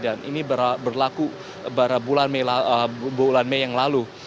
dan ini berlaku pada bulan mei yang lalu